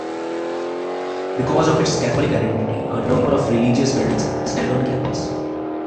Because of its Catholic identity, a number of religious buildings stand on campus.